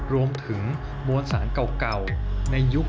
รวมถึงมวลสารเก่าในยุคที่แท้ทานหลวงปูโต๊ะด้วย